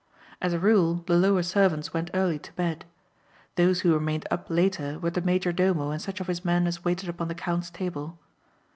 As a rule the lower servants went early to bed. Those who remained up later were the major domo and such of his men as waited upon the count's table.